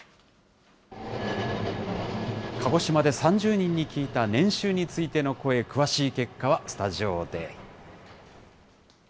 鹿児島で３０人に聞いた年収についての声、詳しい結果はスタジオで。